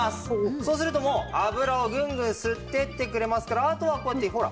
そうすると油をぐんぐん吸っていってくれますからあとはこうやってほら！